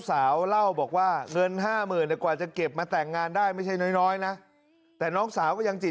แล้วทำไมต้องทำร้ายงานแต่งเขาอย่างนี้